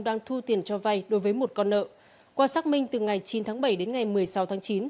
đang thu tiền cho vay đối với một con nợ qua xác minh từ ngày chín tháng bảy đến ngày một mươi sáu tháng chín